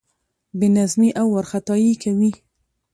بې نظمي او وارخطايي کوي.